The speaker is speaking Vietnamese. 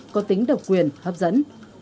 có tính độc quyền hấp dẫn